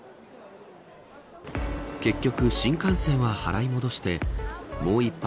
結局、新幹線は払い戻してもう１泊